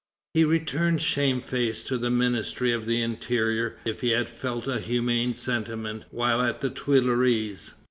He returned shamefaced to the Ministry of the Interior if he had felt a humane sentiment while at the Tuileries.